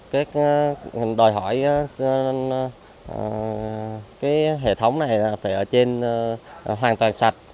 cái hệ thống này là phải ở trên hoàn toàn sạch